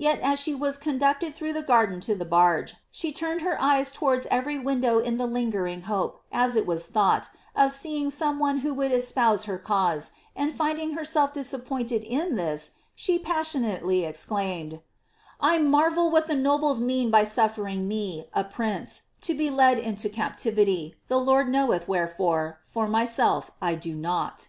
Tet as she was conducted through the garden to the barge, she turned her eyes towards every window in the lingering hope, as it was thought, nf seeing some one who would espouse her cause, and finding herself disappointed in this, she passionately exclaimed, ^^ I marvel what the nobles mean by suffering me, a prince, to be led into captivity, the Lord knoweth wherefore, for myself I do not."